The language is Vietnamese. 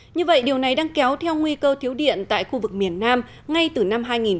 như vậy điều này đang kéo theo nguy cơ thiếu điện tại khu vực miền nam ngay từ năm hai nghìn một mươi